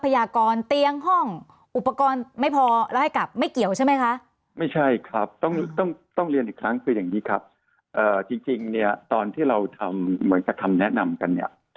อย่างนี้ครับจริงตอนที่เราทำเหมือนกับคำแนะนำกัน